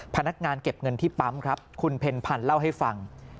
พนักงานเก็บเงินที่ปั๊มครับคุณเพ็ญพันธ์เล่าให้ฟัง